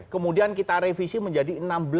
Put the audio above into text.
kemudian kita revisi menjadi enam belas